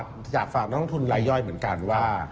อยากฝากนักลงทุนรายย่อยเหมือนกันว่า